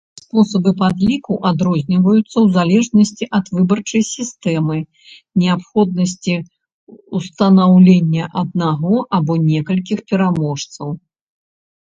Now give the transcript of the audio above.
Спосабы падліку адрозніваюцца ў залежнасці ад выбарчай сістэмы, неабходнасці ўстанаўлення аднаго або некалькіх пераможцаў.